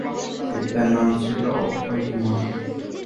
পিতার নাম ছিল অক্ষয়কুমার।